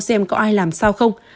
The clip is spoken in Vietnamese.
xem có ai làm sao không